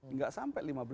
enggak sampai lima belas